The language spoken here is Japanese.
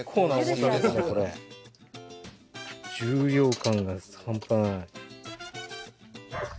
重量感が半端ない。